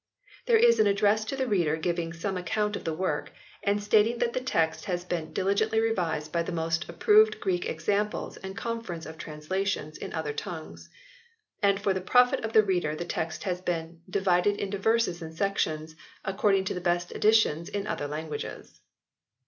There is an address to the reader giving some account of the work, and stating that the text has been " diligently revised by the most approved Greek examples and conference of translations in other tongues "; and for the profit of the reader the text has been " divided into verses and sections, according to the best editions in other languages."